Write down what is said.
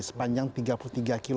sepanjang tiga puluh tiga km